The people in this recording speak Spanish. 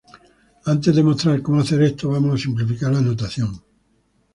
Antes de mostrar como hacer esto, vamos a simplificar la notación.